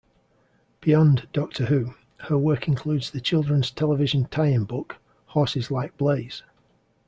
Beyond "Doctor Who", her work includes the children's television tie-in book "Horses Like Blaze".